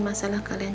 ya udah mama doain